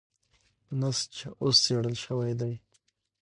نسج اوس څېړل شوی دی.